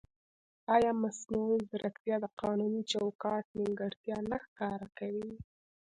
ایا مصنوعي ځیرکتیا د قانوني چوکاټ نیمګړتیا نه ښکاره کوي؟